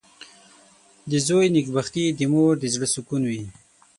• د زوی نېکبختي د مور د زړۀ سکون وي.